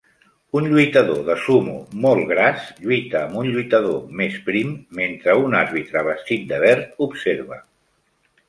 Un lluitador de sumo molt gras lluita amb un lluitador més prim mentre un àrbitre vestit de verd observa.